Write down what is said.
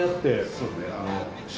そうですね。